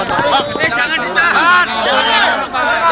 pak jangan disahat